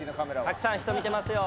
たくさん人見てますよ。